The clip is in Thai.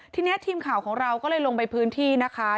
ทีนี้ทีมข่าวของเราก็เลยลงไปพื้นที่นะคะ